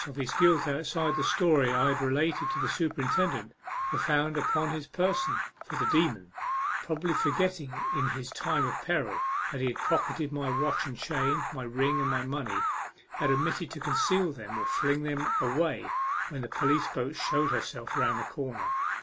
of his guilt, outside the story I had related to the superintendent, were found upon his person, for the demon, probably forgetting in his time of peril that he had pocketed my watch and chain, my ring, and my money, had omitted to conceal them or fling them away when the police boat showed herself round the corner.